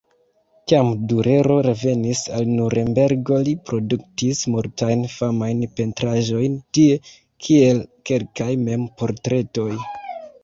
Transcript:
Kiam Durero revenis al Nurenbergo li produktis multajn famajn pentraĵojn tie, kiel kelkaj mem-portretoj.